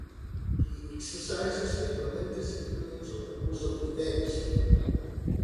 He exercises a momentous influence on the course of events.